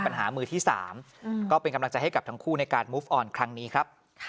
แล้ววันนี้มันก็ยังเป็นเพื่อนกันค่ะ